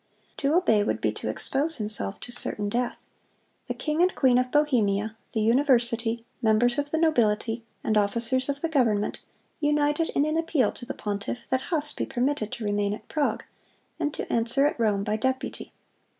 To obey would be to expose himself to certain death. The king and queen of Bohemia, the university, members of the nobility, and officers of the government, united in an appeal to the pontiff that Huss be permitted to remain at Prague, and to answer at Rome by deputy.